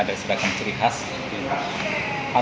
di sekolah baru dikoneksi di sekolah baru